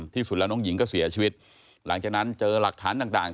ที่สุดแล้วน้องหญิงก็เสียชีวิตหลังจากนั้นเจอหลักฐานต่าง